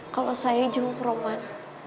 kalau saya jenguk roman